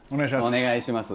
お願いします。